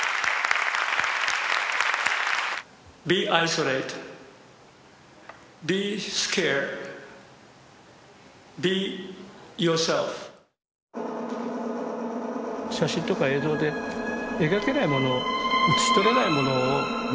写真とか映像で描けないものうつし取れないものを見たいというか。